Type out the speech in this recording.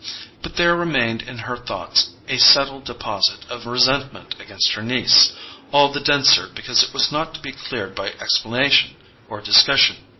But there remained in her thoughts a settled deposit of resentment against her niece, all the denser because it was not to be cleared by explanation or discussion.